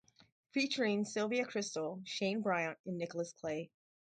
Featuring Sylvia Kristel, Shane Briant and Nicholas Clay.